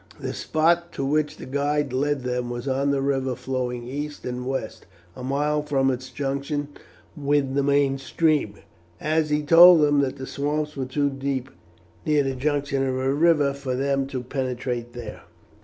The spot to which the guide led them was on the river flowing east and west, a mile from its junction with the main stream, as he told them that the swamps were too deep near the junction of the river for them to penetrate there.